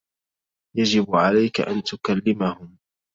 يجب عليك أن تُكَلّمَهُم.